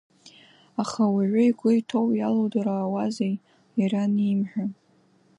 Аха ауаҩы игәы иҭоу иалудыраауазеи, иара ианимҳәа.